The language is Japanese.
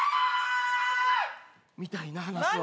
みたいな話を。